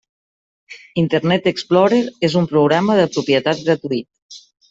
Internet Explorer és un programa de propietat gratuït.